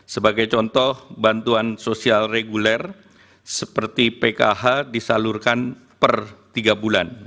sebagai contoh bantuan sosial reguler seperti pkh disalurkan per tiga bulan